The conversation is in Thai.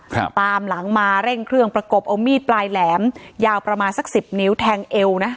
ครับตามหลังมาเร่งเครื่องประกบเอามีดปลายแหลมยาวประมาณสักสิบนิ้วแทงเอวนะ